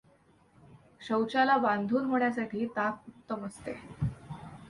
शौचाला बांधून होण्यासाठी ताक उत्तम असते.